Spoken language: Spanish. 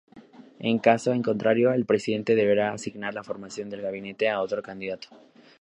En caso contrario, el Presidente deberá asignar la formación del Gabinete a otro candidato.